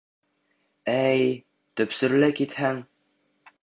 Әй, төпсөрләй китһәң...